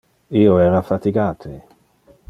Io era fatigate.